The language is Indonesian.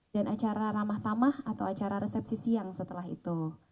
dan acara ramah tamah atau acara resepsi siang setelah itu